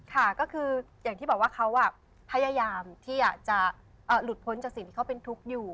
ค่ะก็คืออย่างที่บอกว่าเขาพยายามที่อยากจะหลุดพ้นจากสิ่งที่เขาเป็นทุกข์อยู่